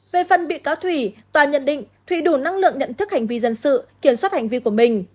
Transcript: về phần bị cáo thủy tòa nhận định thủy đủ năng lượng nhận thức hành vi dân sự kiểm soát hành vi của mình